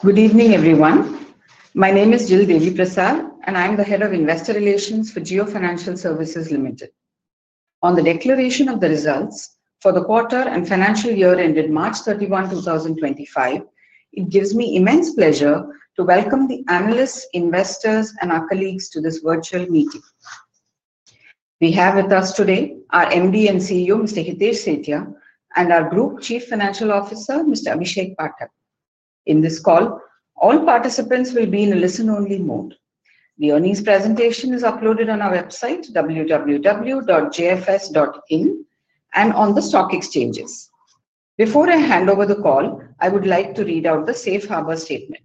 Good evening, everyone. My name is Jill Deviprasad, and I'm the Head of Investor Relations for Jio Financial Services Limited. On the declaration of the results for the quarter and financial year ended March 31, 2025, it gives me immense pleasure to welcome the analysts, investors, and our colleagues to this virtual meeting. We have with us today our MD and CEO, Mr. Hitesh Sethia, and our Group Chief Financial Officer, Mr. Abhishek Pathak. In this call, all participants will be in a listen-only mode. The earnings presentation is uploaded on our website, www.jfs.in, and on the stock exchanges. Before I hand over the call, I would like to read out the Safe Harbor Statement.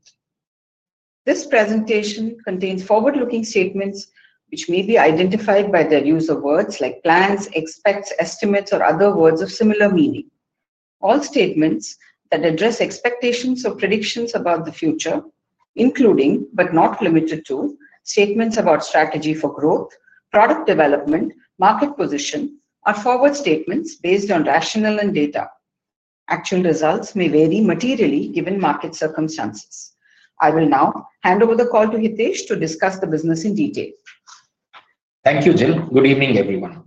This presentation contains forward-looking statements which may be identified by the use of words like plans, expects, estimates, or other words of similar meaning. All statements that address expectations or predictions about the future, including, but not limited to, statements about strategy for growth, product development, market position, are forward statements based on rationale and data. Actual results may vary materially given market circumstances. I will now hand over the call to Hitesh to discuss the business in detail. Thank you, Jill. Good evening, everyone.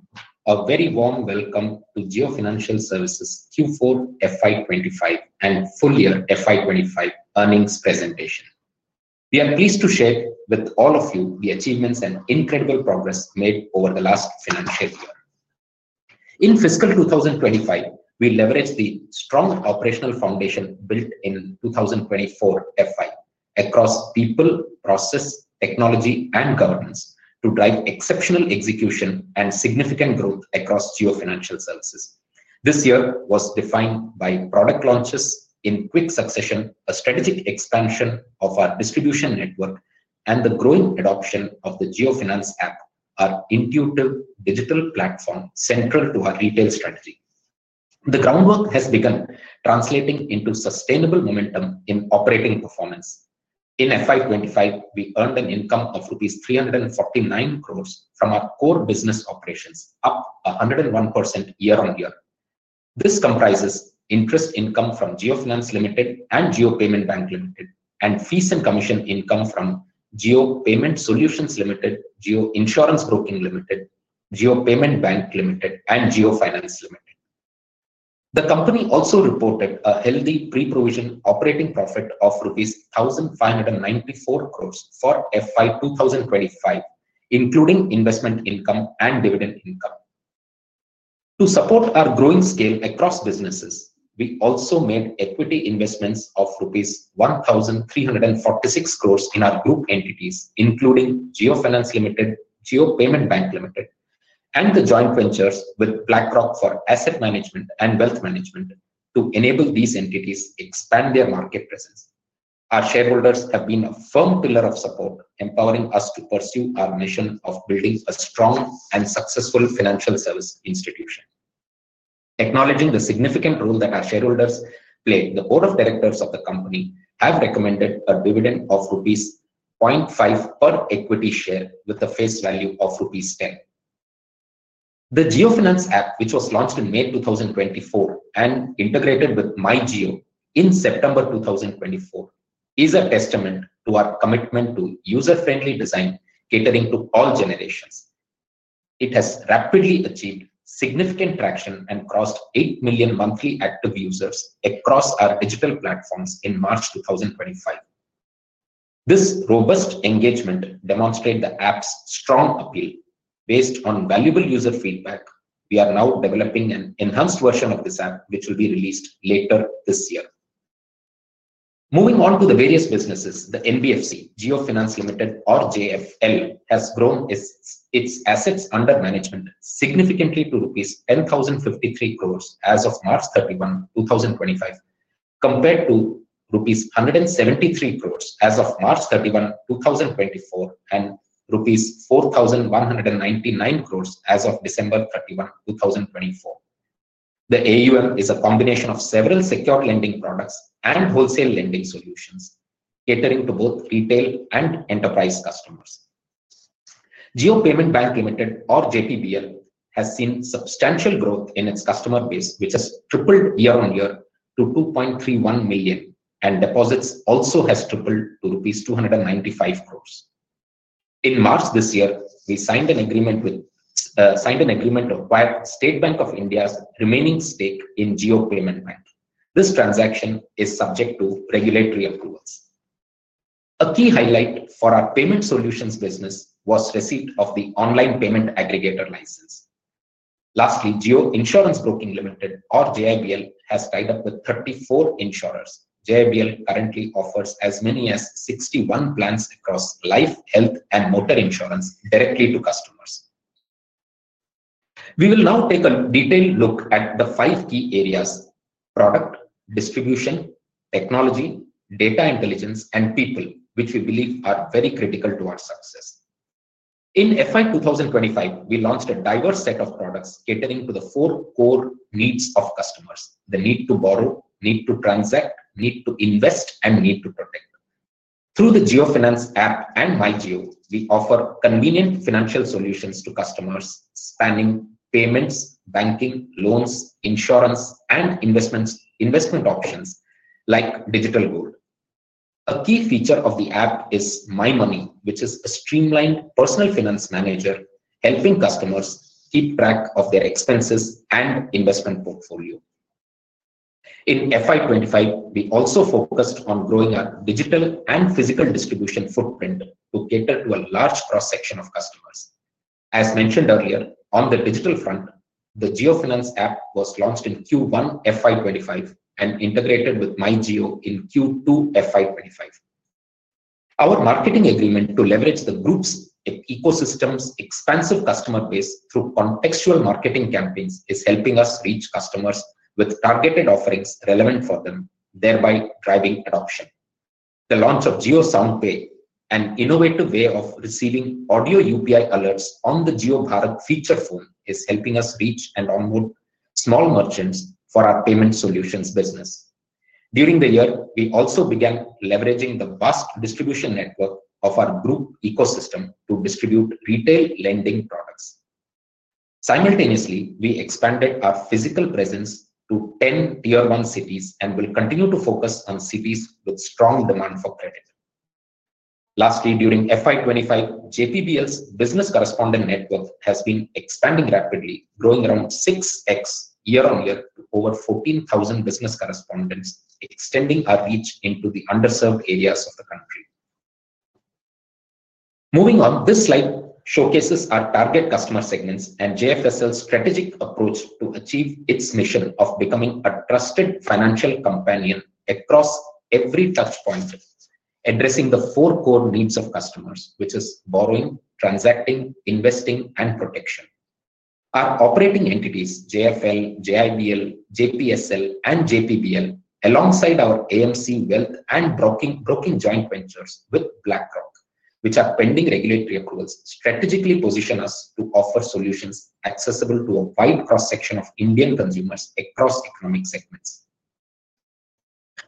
A very warm welcome to Jio Financial Services Q4 FY2025 and full year FY2025 earnings presentation. We are pleased to share with all of you the achievements and incredible progress made over the last financial year. In fiscal 2025, we leveraged the strong operational foundation built in 2024 FY across people, process, technology, and governance to drive exceptional execution and significant growth across Jio Financial Services. This year was defined by product launches in quick succession, a strategic expansion of our distribution network, and the growing adoption of the Jio Finance app, our intuitive digital platform central to our retail strategy. The groundwork has begun, translating into sustainable momentum in operating performance. In FY2025, we earned an income of INR 349 crore from our core business operations, up 101% year-on-year. This comprises interest income from Jio Finance Limited and Jio Payment Bank Limited, and fees and commission income from Jio Payment Solutions Limited, Jio Insurance Broking Limited, Jio Payment Bank Limited, and Jio Finance Limited. The company also reported a healthy pre-provision operating profit of rupees 1,594 crore for FY2025, including investment income and dividend income. To support our growing scale across businesses, we also made equity investments of rupees 1,346 crore in our group entities, including Jio Finance Limited, Jio Payment Bank Limited, and the joint ventures with BlackRock for asset management and wealth management, to enable these entities to expand their market presence. Our shareholders have been a firm pillar of support, empowering us to pursue our mission of building a strong and successful financial service institution. Acknowledging the significant role that our shareholders played, the board of directors of the company have recommended a dividend of rupees 0.5 per equity share with a face value of rupees 10. The Jio Finance app, which was launched in May 2024 and integrated with MyJio in September 2024, is a testament to our commitment to user-friendly design catering to all generations. It has rapidly achieved significant traction and crossed 8 million monthly active users across our digital platforms in March 2025. This robust engagement demonstrates the app's strong appeal. Based on valuable user feedback, we are now developing an enhanced version of this app, which will be released later this year. Moving on to the various businesses, the NBFC, Jio Finance Limited, or JFL, has grown its assets under management significantly to rupees 10,053 crores as of March 31, 2025, compared to rupees 173 crores as of March 31, 2024, and rupees 4,199 crores as of December 31, 2024. The AUM is a combination of several secured lending products and wholesale lending solutions catering to both retail and enterprise customers. Jio Payment Bank Limited, or JPBL, has seen substantial growth in its customer base, which has tripled year-on-year to 2.31 million, and deposits also have tripled to rupees 295 crores. In March this year, we signed an agreement to acquire State Bank of India's remaining stake in Jio Payment Bank. This transaction is subject to regulatory approvals. A key highlight for our payment solutions business was the receipt of the online payment aggregator license. Lastly, Jio Insurance Broking Limited, or JIBL, has tied up with 34 insurers. JIBL currently offers as many as 61 plans across life, health, and motor insurance directly to customers. We will now take a detailed look at the five key areas: product, distribution, technology, data intelligence, and people, which we believe are very critical to our success. In FY2025, we launched a diverse set of products catering to the four core needs of customers: the need to borrow, need to transact, need to invest, and need to protect. Through the Jio Finance app and MyJio, we offer convenient financial solutions to customers spanning payments, banking, loans, insurance, and investment options like digital gold. A key feature of the app is My Money, which is a streamlined personal finance manager helping customers keep track of their expenses and investment portfolio. In FY25, we also focused on growing our digital and physical distribution footprint to cater to a large cross-section of customers. As mentioned earlier, on the digital front, the Jio Finance app was launched in Q1 FY25 and integrated with MyJio in Q2 FY25. Our marketing agreement to leverage the group's ecosystem's expansive customer base through contextual marketing campaigns is helping us reach customers with targeted offerings relevant for them, thereby driving adoption. The launch of Jio SoundPay, an innovative way of receiving audio UPI alerts on the Jio Bharat feature phone, is helping us reach and onboard small merchants for our payment solutions business. During the year, we also began leveraging the vast distribution network of our group ecosystem to distribute retail lending products. Simultaneously, we expanded our physical presence to 10 Tier 1 cities and will continue to focus on cities with strong demand for credit. Lastly, during FY2025, JPBL's business correspondent network has been expanding rapidly, growing around 6x year-on-year to over 14,000 business correspondents, extending our reach into the underserved areas of the country. Moving on, this slide showcases our target customer segments and JFSL's strategic approach to achieve its mission of becoming a trusted financial companion across every touchpoint, addressing the four core needs of customers, which are borrowing, transacting, investing, and protection. Our operating entities—JFL, JIBL, JPSL, and JPBL—alongside our AMC, Wealth, and Broking Joint Ventures with BlackRock, which are pending regulatory approvals, strategically position us to offer solutions accessible to a wide cross-section of Indian consumers across economic segments.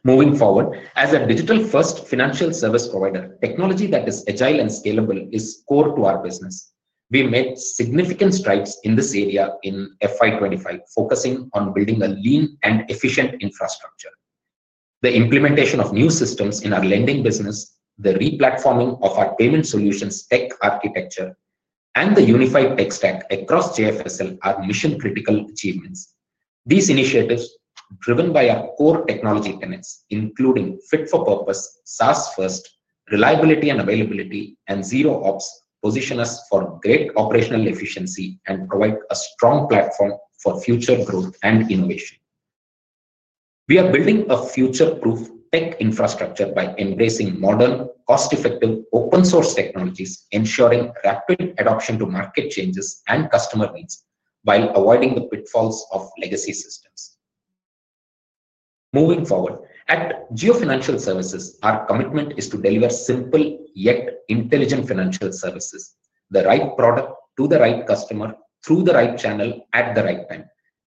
Moving forward, as a digital-first financial service provider, technology that is agile and scalable is core to our business. We made significant strides in this area in FY25, focusing on building a lean and efficient infrastructure. The implementation of new systems in our lending business, the replatforming of our payment solutions tech architecture, and the unified tech stack across JFSL are mission-critical achievements. These initiatives, driven by our core technology tenets, including fit for purpose, SaaS-first, reliability and availability, and zero-ops, position us for great operational efficiency and provide a strong platform for future growth and innovation. We are building a future-proof tech infrastructure by embracing modern, cost-effective, open-source technologies, ensuring rapid adoption to market changes and customer needs while avoiding the pitfalls of legacy systems. Moving forward, at Jio Financial Services, our commitment is to deliver simple yet intelligent financial services—the right product to the right customer through the right channel at the right time.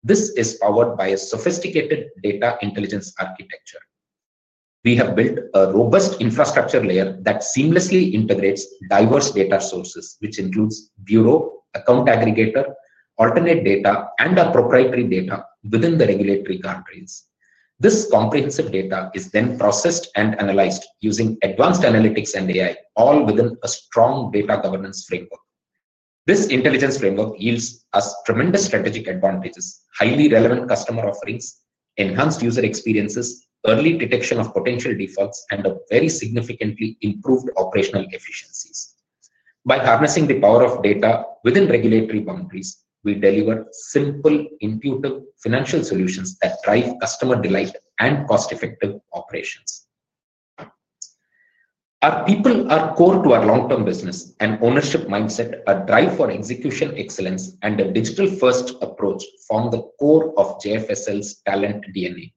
This is powered by a sophisticated data intelligence architecture. We have built a robust infrastructure layer that seamlessly integrates diverse data sources, which includes bureau, account aggregator, alternate data, and proprietary data within the regulatory guardrails. This comprehensive data is then processed and analyzed using advanced analytics and AI, all within a strong data governance framework. This intelligence framework yields us tremendous strategic advantages: highly relevant customer offerings, enhanced user experiences, early detection of potential defaults, and very significantly improved operational efficiencies. By harnessing the power of data within regulatory boundaries, we deliver simple, intuitive financial solutions that drive customer delight and cost-effective operations. Our people are core to our long-term business, and ownership mindset is a drive for execution excellence and a digital-first approach formed the core of JFSL's talent DNA.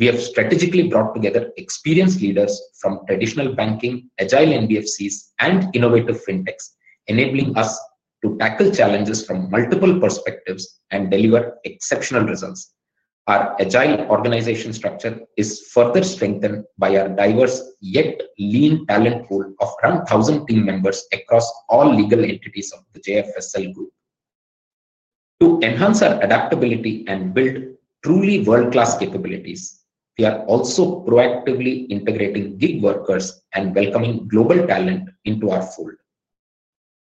We have strategically brought together experienced leaders from traditional banking, agile NBFCs, and innovative fintechs, enabling us to tackle challenges from multiple perspectives and deliver exceptional results. Our agile organization structure is further strengthened by our diverse yet lean talent pool of around 1,000 team members across all legal entities of the JFSL group. To enhance our adaptability and build truly world-class capabilities, we are also proactively integrating gig workers and welcoming global talent into our fold.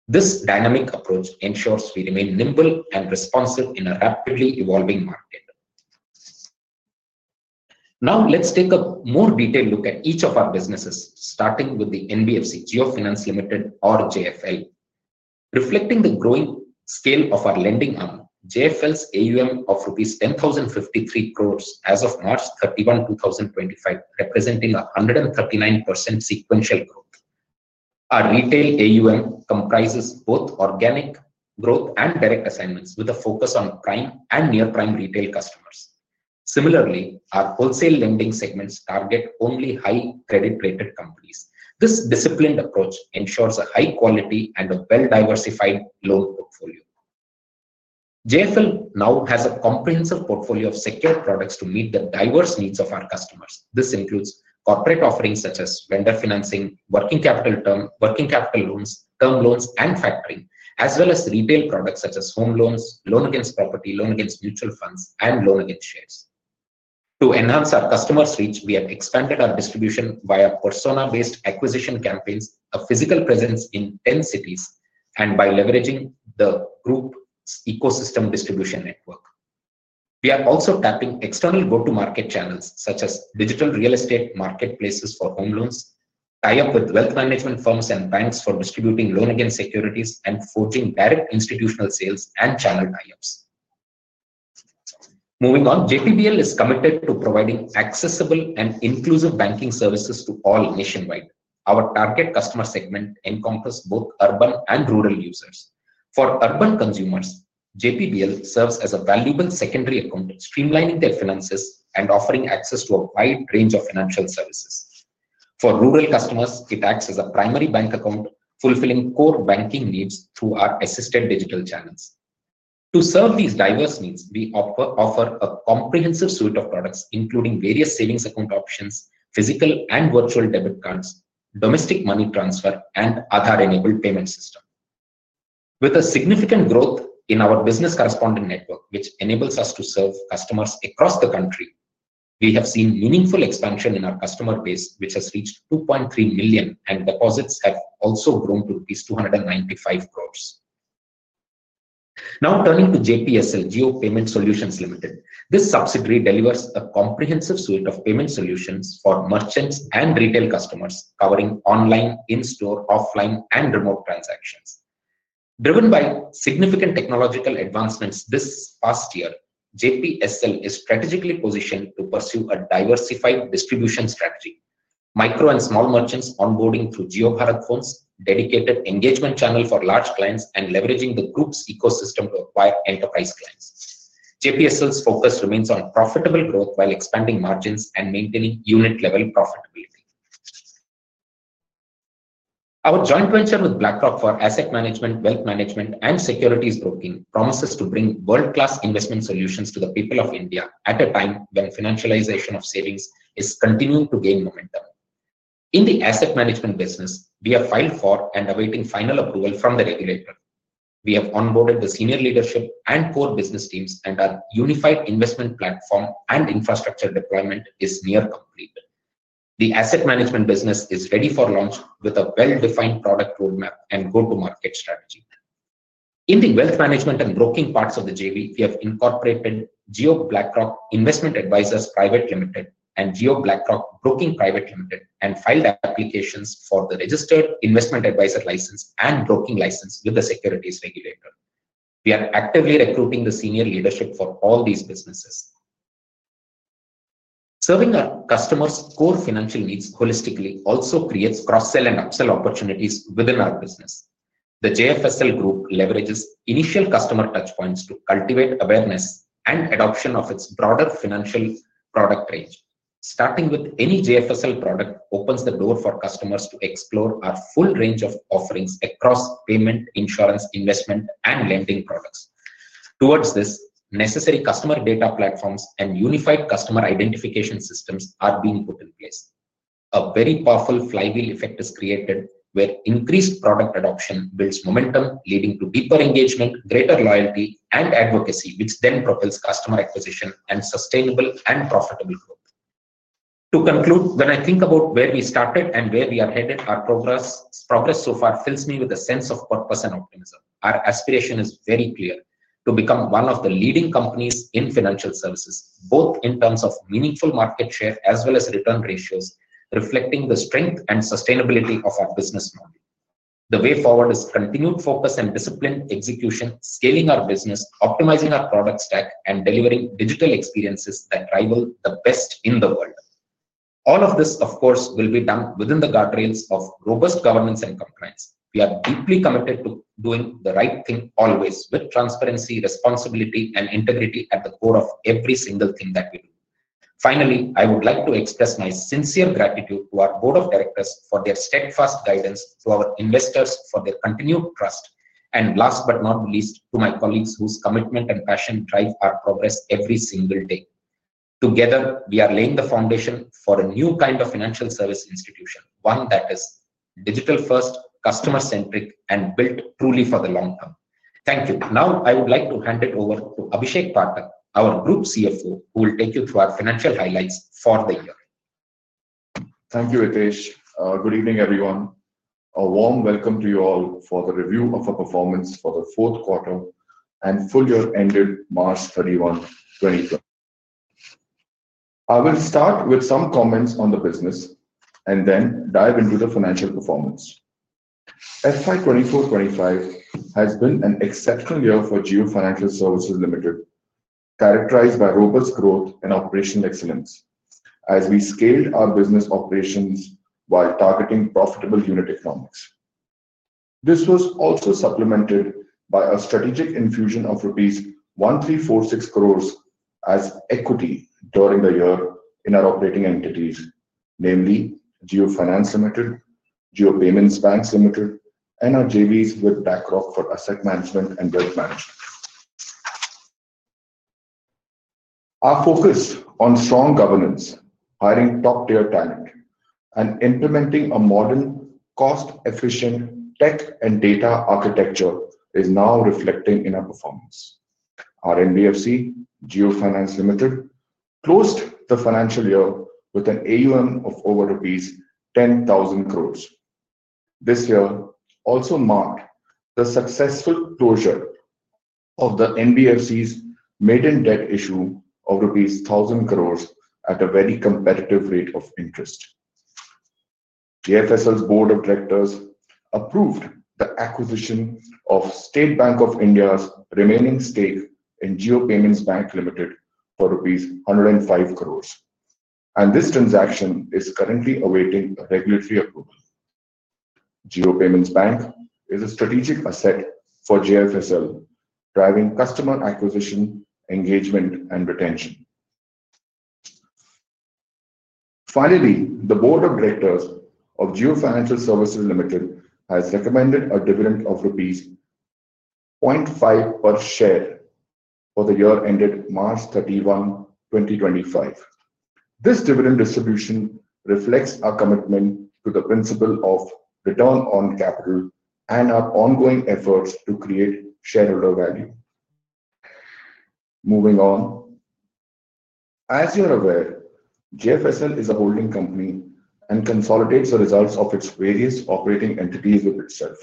This dynamic approach ensures we remain nimble and responsive in a rapidly evolving market. Now, let's take a more detailed look at each of our businesses, starting with the NBFC, Jio Finance Limited, or JFL. Reflecting the growing scale of our lending arm, JFL's AUM of INR 10,053 crore as of March 31, 2025, representing a 139% sequential growth. Our retail AUM comprises both organic growth and direct assignments, with a focus on prime and near-prime retail customers. Similarly, our wholesale lending segments target only high credit-rated companies. This disciplined approach ensures a high quality and a well-diversified loan portfolio. JFL now has a comprehensive portfolio of secure products to meet the diverse needs of our customers. This includes corporate offerings such as vendor financing, working capital loans, term loans, and factoring, as well as retail products such as home loans, loan against property, loan against mutual funds, and loan against shares. To enhance our customer reach, we have expanded our distribution via persona-based acquisition campaigns, a physical presence in 10 cities, and by leveraging the group's ecosystem distribution network. We are also tapping external go-to-market channels such as digital real estate marketplaces for home loans, tie-up with wealth management firms and banks for distributing loan against securities, and forging direct institutional sales and channel tie-ups. Moving on, JPBL is committed to providing accessible and inclusive banking services to all nationwide. Our target customer segment encompasses both urban and rural users. For urban consumers, Jio Payment Bank Limited serves as a valuable secondary account, streamlining their finances and offering access to a wide range of financial services. For rural customers, it acts as a primary bank account, fulfilling core banking needs through our assisted digital channels. To serve these diverse needs, we offer a comprehensive suite of products, including various savings account options, physical and virtual debit cards, domestic money transfer, and Aadhaar-enabled Payment System. With a significant growth in our business correspondent network, which enables us to serve customers across the country, we have seen meaningful expansion in our customer base, which has reached 2.3 million, and deposits have also grown to rupees 295 crore. Now, turning to Jio Payment Solutions Limited. This subsidiary delivers a comprehensive suite of payment solutions for merchants and retail customers, covering online, in-store, offline, and remote transactions. Driven by significant technological advancements this past year, Jio Payment Solutions Limited is strategically positioned to pursue a diversified distribution strategy: micro and small merchants onboarding through Jio Bharat phones, dedicated engagement channel for large clients, and leveraging the group's ecosystem to acquire enterprise clients. Jio Payment Solutions Limited's focus remains on profitable growth while expanding margins and maintaining unit-level profitability. Our joint venture with BlackRock for asset management, wealth management, and securities broking promises to bring world-class investment solutions to the people of India at a time when financialization of savings is continuing to gain momentum. In the asset management business, we have filed for and are awaiting final approval from the regulator. We have onboarded the senior leadership and core business teams, and our unified investment platform and infrastructure deployment is near complete. The asset management business is ready for launch with a well-defined product roadmap and go-to-market strategy. In the wealth management and broking parts of the JV, we have incorporated Jio BlackRock Investment Advisors Private Limited and Jio BlackRock Broking Private Limited and filed applications for the registered investment advisor license and broking license with the securities regulator. We are actively recruiting the senior leadership for all these businesses. Serving our customers' core financial needs holistically also creates cross-sell and upsell opportunities within our business. The JFSL group leverages initial customer touchpoints to cultivate awareness and adoption of its broader financial product range. Starting with any JFSL product, it opens the door for customers to explore our full range of offerings across payment, insurance, investment, and lending products. Towards this, necessary customer data platforms and unified customer identification systems are being put in place. A very powerful flywheel effect is created, where increased product adoption builds momentum, leading to deeper engagement, greater loyalty, and advocacy, which then propels customer acquisition and sustainable and profitable growth. To conclude, when I think about where we started and where we are headed, our progress so far fills me with a sense of purpose and optimism. Our aspiration is very clear: to become one of the leading companies in financial services, both in terms of meaningful market share as well as return ratios, reflecting the strength and sustainability of our business model. The way forward is continued focus and disciplined execution, scaling our business, optimizing our product stack, and delivering digital experiences that rival the best in the world. All of this, of course, will be done within the guardrails of robust governance and compliance. We are deeply committed to doing the right thing always, with transparency, responsibility, and integrity at the core of every single thing that we do. Finally, I would like to express my sincere gratitude to our Board of Directors for their steadfast guidance, to our investors for their continued trust, and last but not least, to my colleagues whose commitment and passion drive our progress every single day. Together, we are laying the foundation for a new kind of financial service institution, one that is digital-first, customer-centric, and built truly for the long term. Thank you. Now, I would like to hand it over to Abhishek Pathak, our Group CFO, who will take you through our financial highlights for the year. Thank you, Hitesh. Good evening, everyone. A warm welcome to you all for the review of our performance for the fourth quarter and full year ended March 31, 2020. I will start with some comments on the business and then dive into the financial performance. FY 2024-2025 has been an exceptional year for Jio Financial Services Limited, characterized by robust growth and operational excellence as we scaled our business operations while targeting profitable unit economics. This was also supplemented by a strategic infusion of rupees 1,346 crore as equity during the year in our operating entities, namely Jio Finance Limited, Jio Payment Bank Limited, and our JVs with BlackRock for asset management and wealth management. Our focus on strong governance, hiring top-tier talent, and implementing a modern, cost-efficient tech and data architecture is now reflecting in our performance. Our NBFC, Jio Finance Limited, closed the financial year with an AUM of over rupees 10,000 crore. This year also marked the successful closure of the NBFC's maiden debt issue of rupees 1,000 crore at a very competitive rate of interest. JFSL's Board of Directors approved the acquisition of State Bank of India's remaining stake in Jio Payment Bank Limited for rupees 105 crore, and this transaction is currently awaiting regulatory approval. Jio Payment Bank is a strategic asset for JFSL, driving customer acquisition, engagement, and retention. Finally, the Board of Directors of Jio Financial Services Limited has recommended a dividend of rupees 0.5 per share for the year ended March 31, 2025. This dividend distribution reflects our commitment to the principle of return on capital and our ongoing efforts to create shareholder value. Moving on, as you are aware, JFSL is a holding company and consolidates the results of its various operating entities with itself.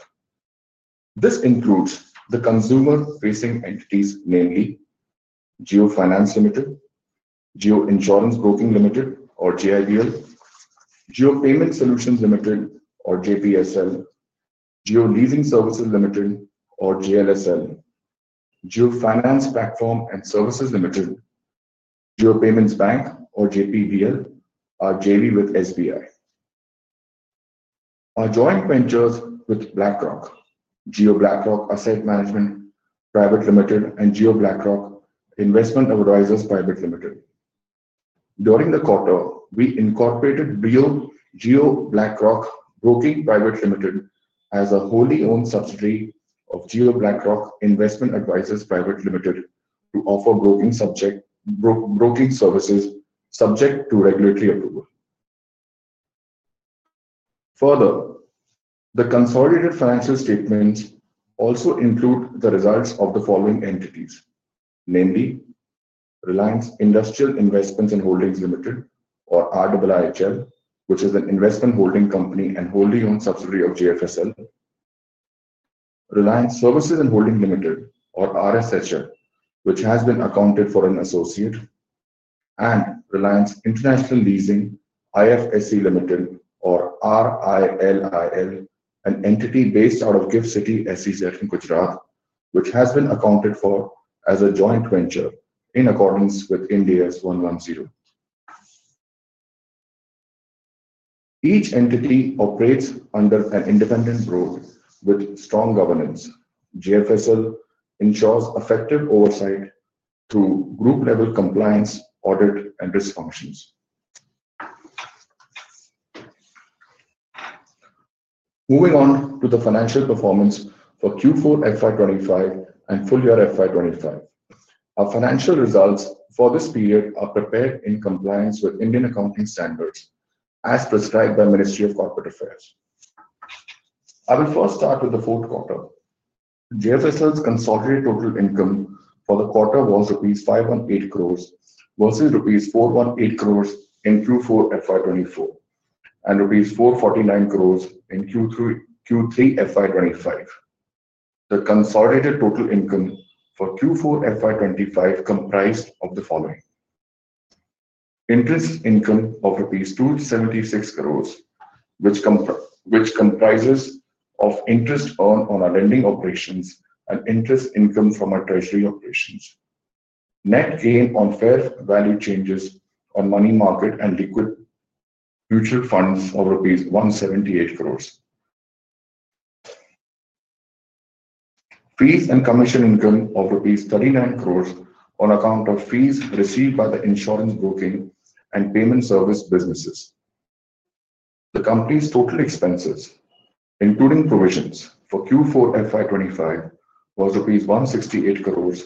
This includes the consumer-facing entities, namely Jio Finance Limited, Jio Insurance Broking Limited, or JIBL, Jio Payment Solutions Limited, or JPSL, Jio Leasing Services Limited, or JLSL, Jio Finance Platform and Services Limited, Jio Payment Bank Limited, or JPBL, our JV with SBI. Our joint ventures with BlackRock, Jio BlackRock Asset Management Private Limited, and Jio BlackRock Investment Advisors Private Limited. During the quarter, we incorporated Jio BlackRock Broking Private Limited as a wholly owned subsidiary of Jio BlackRock Investment Advisors Private Limited to offer broking services subject to regulatory approval. Further, the consolidated financial statements also include the results of the following entities, namely Reliance Industrial Investments and Holdings Limited, or RIIHL, which is an investment holding company and wholly owned subsidiary of Jio Financial Services Limited, Reliance Services and Holdings Limited, or RSHL, which has been accounted for as an associate, and Reliance International Leasing IFSC Limited, or RILIL, an entity based out of GIFT City SEZ in Gujarat, which has been accounted for as a joint venture in accordance with Ind AS 110. Each entity operates under an independent role with strong governance. Jio Financial Services Limited ensures effective oversight through group-level compliance, audit, and risk functions. Moving on to the financial performance for Q4 FY2025 and full year FY2025, our financial results for this period are prepared in compliance with Indian accounting standards as prescribed by the Ministry of Corporate Affairs. I will first start with the fourth quarter. JFSL's consolidated total income for the quarter was rupees 518 crores versus rupees 418 crores in Q4 FY2024 and rupees 449 crores in Q3 FY2025. The consolidated total income for Q4 FY2025 comprised of the following: interest income of rupees 276 crores, which comprises of interest earned on our lending operations and interest income from our treasury operations; net gain on fair value changes on money market and liquid mutual funds of rupees 178 crores; fees and commission income of rupees 39 crores on account of fees received by the insurance broking and payment service businesses. The company's total expenses, including provisions for Q4 FY2025, was INR 168 crores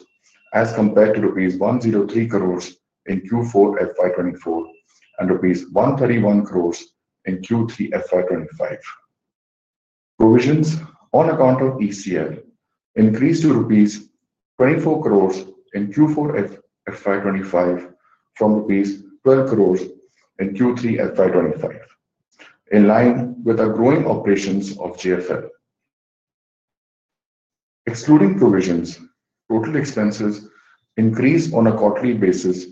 as compared to INR 103 crores in Q4 FY2024 and INR 131 crores in Q3 FY2025. Provisions on account of ECL increased to rupees 24 crores in Q4 FY2025 from rupees 12 crores in Q3 FY2025, in line with our growing operations of JFSL. Excluding provisions, total expenses increased on a quarterly basis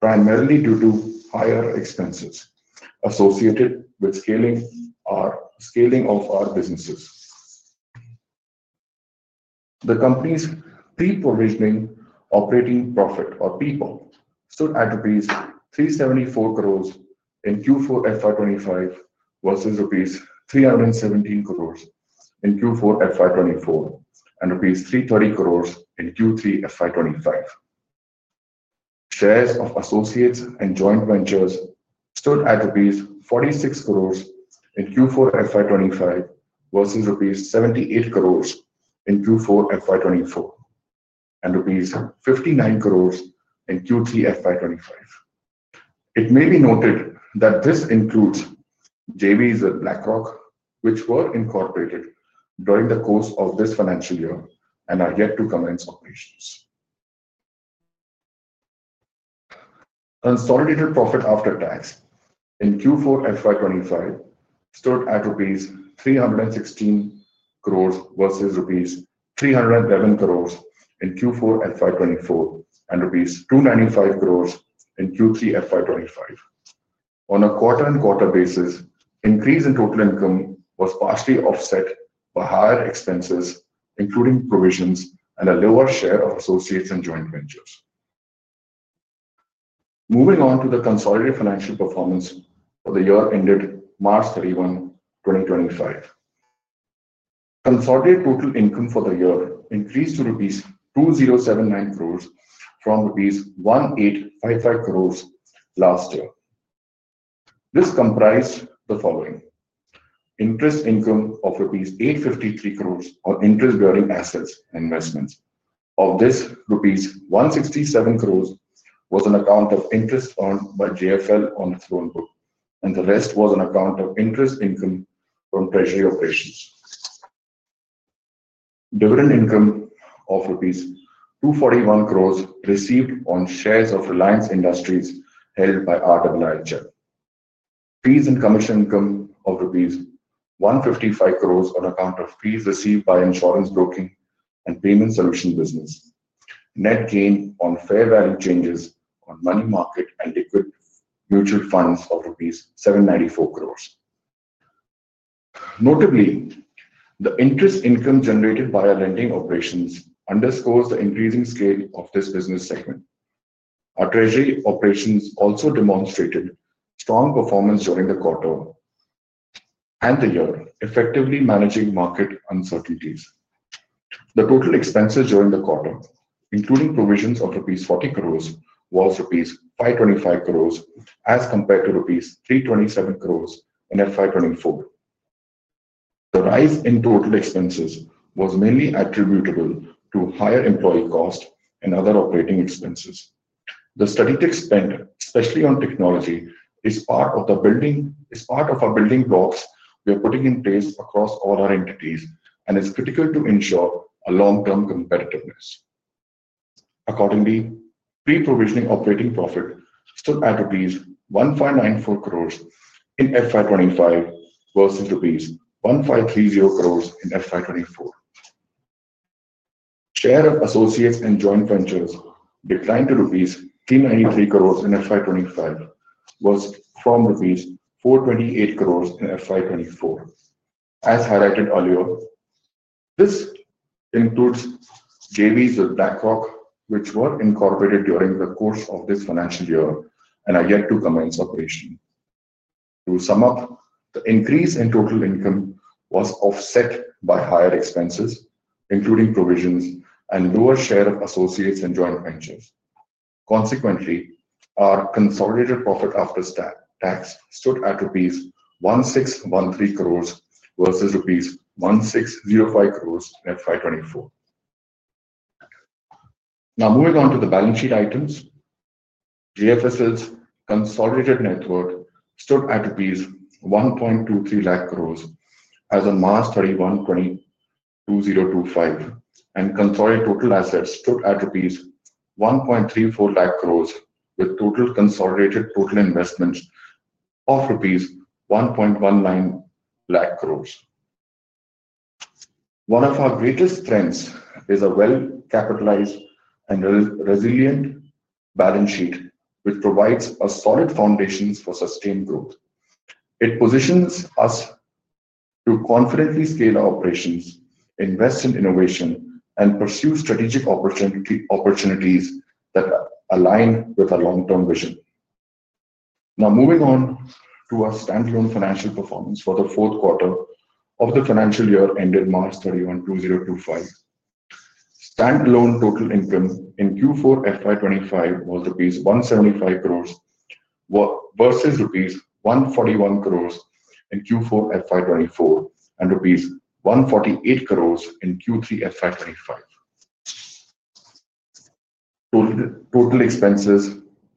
primarily due to higher expenses associated with scaling of our businesses. The company's pre-provisioning operating profit, or PPOP, stood at rupees 374 crore in Q4 FY2025 versus rupees 317 crore in Q4 FY2024 and rupees 330 crore in Q3 FY2025. Shares of associates and joint ventures stood at rupees 46 crore in Q4 FY2025 versus rupees 78 crore in Q4 FY2024 and rupees 59 crore in Q3 FY2025. It may be noted that this includes JVs with BlackRock, which were incorporated during the course of this financial year and are yet to commence operations. Consolidated profit after tax in Q4 FY2025 stood at rupees 316 crore versus rupees 311 crore in Q4 FY2024 and rupees 295 crore in Q3 FY2025. On a quarter-on-quarter basis, increase in total income was partially offset by higher expenses, including provisions, and a lower share of associates and joint ventures. Moving on to the consolidated financial performance for the year ended March 31, 2025, consolidated total income for the year increased to rupees 2,079 crores from rupees 1,855 crores last year. This comprised the following: interest income of rupees 853 crores on interest-bearing assets and investments. Of this, rupees 167 crores was on account of interest earned by JFSL on its loan book, and the rest was on account of interest income from treasury operations. Dividend income of rupees 241 crores received on shares of Reliance Industries held by RIIHL. Fees and commission income of rupees 155 crores on account of fees received by insurance broking and payment solution business. Net gain on fair value changes on money market and liquid mutual funds of rupees 794 crores. Notably, the interest income generated by our lending operations underscores the increasing scale of this business segment. Our treasury operations also demonstrated strong performance during the quarter and the year, effectively managing market uncertainties. The total expenses during the quarter, including provisions of rupees 40 crores, was rupees 525 crores as compared to rupees 327 crores in FY 2024. The rise in total expenses was mainly attributable to higher employee costs and other operating expenses. The strategic spend, especially on technology, is part of our building blocks we are putting in place across all our entities and is critical to ensure long-term competitiveness. Accordingly, pre-provisioning operating profit stood at rupees 1,594 crores in FY 2025 versus rupees 1,530 crores in FY 2024. Share of associates and joint ventures declined to rupees 393 crores in FY 2025 versus rupees 428 crores in FY 2024. As highlighted earlier, this includes JVs with BlackRock, which were incorporated during the course of this financial year and are yet to commence operation. To sum up, the increase in total income was offset by higher expenses, including provisions, and lower share of associates and joint ventures. Consequently, our consolidated profit after tax stood at rupees 1,613 crore versus rupees 1,605 crore in FY 2024. Now, moving on to the balance sheet items, JFSL's consolidated net worth stood at rupees 1.23 lakh crore as of March 31, 2025, and consolidated total assets stood at rupees 1.34 lakh crore with total consolidated total investments of rupees 1.19 lakh crore. One of our greatest strengths is a well-capitalized and resilient balance sheet, which provides a solid foundation for sustained growth. It positions us to confidently scale our operations, invest in innovation, and pursue strategic opportunities that align with our long-term vision. Now, moving on to our standalone financial performance for the fourth quarter of the financial year ended March 31, 2025, standalone total income in Q4 FY2025 was 175 crores versus rupees 141 crores in Q4 FY2024 and rupees 148 crores in Q3 FY2025. Total expenses,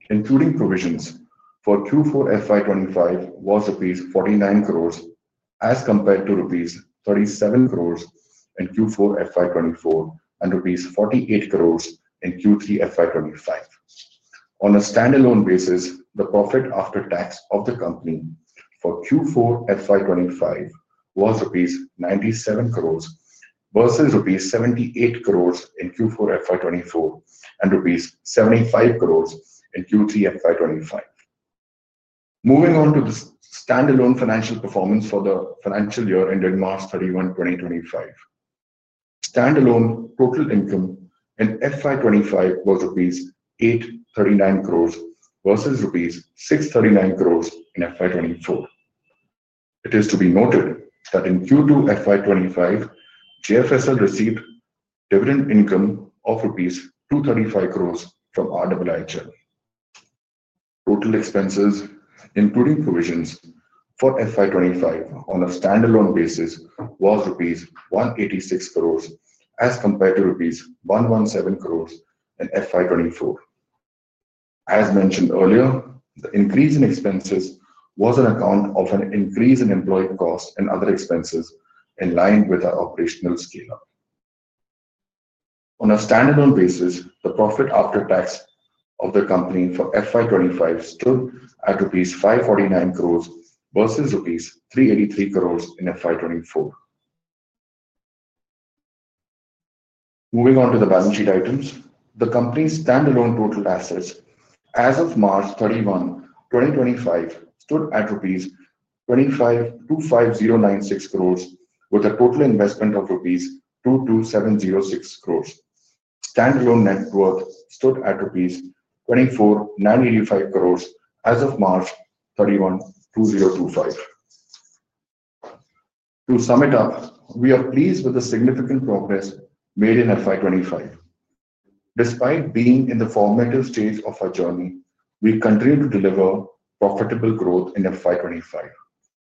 including provisions for Q4 FY2025, was rupees 49 crores as compared to rupees 37 crores in Q4 FY2024 and rupees 48 crores in Q3 FY2025. On a standalone basis, the profit after tax of the company for Q4 FY2025 was rupees 97 crores versus rupees 78 crores in Q4 FY2024 and rupees 75 crores in Q3 FY2025. Moving on to the standalone financial performance for the financial year ended March 31, 2025, standalone total income in FY2025 was rupees 839 crores versus rupees 639 crores in FY2024. It is to be noted that in Q2 FY2025, Jio Financial Services Limited received dividend income of rupees 235 crores from Reliance Industrial Investments and Holdings Limited. Total expenses, including provisions for FY2025 on a standalone basis, was rupees 186 crores as compared to rupees 117 crores in FY2024. As mentioned earlier, the increase in expenses was an account of an increase in employee costs and other expenses in line with our operational scale-up. On a standalone basis, the profit after tax of the company for FY2025 stood at rupees 549 crores versus rupees 383 crores in FY2024. Moving on to the balance sheet items, the company's standalone total assets as of March 31, 2025, stood at rupees 25,096 crores with a total investment of rupees 22,706 crores. Standalone net worth stood at rupees 24,985 crores as of March 31, 2025. To sum it up, we are pleased with the significant progress made in FY2025. Despite being in the formative stage of our journey, we continue to deliver profitable growth in FY2025.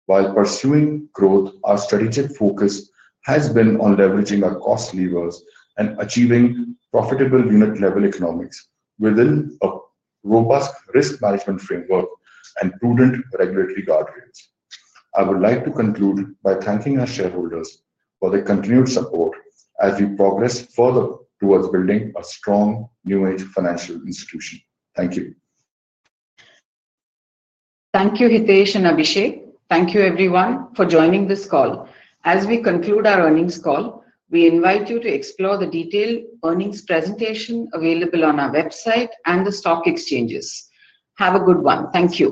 While pursuing growth, our strategic focus has been on leveraging our cost levers and achieving profitable unit-level economics within a robust risk management framework and prudent regulatory guardrails. I would like to conclude by thanking our shareholders for their continued support as we progress further towards building a strong New Age financial institution. Thank you. Thank you, Hitesh and Abhishek. Thank you, everyone, for joining this call. As we conclude our earnings call, we invite you to explore the detailed earnings presentation available on our website and the stock exchanges. Have a good one. Thank you.